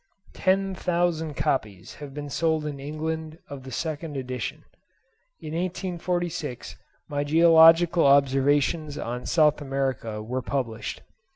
Ten thousand copies have been sold in England of the second edition. In 1846 my 'Geological Observations on South America' were published.